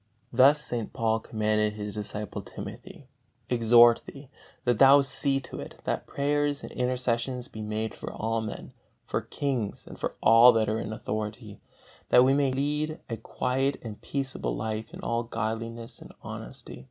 Thus St. Paul commanded his disciple Timothy: "exhort thee, that thou see to it, that prayers and intercessions be made for all men, for kings, and for all that are in authority, that we may lead a quiet and peaceable life in all godliness and honesty.